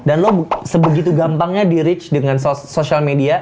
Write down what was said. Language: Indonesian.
dan lo sebegitu gampangnya di reach dengan sosial media